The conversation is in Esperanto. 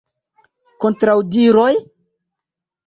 Kontraŭdiroj?